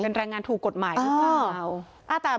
เป็นแรงงานถูกกฎหมายครับ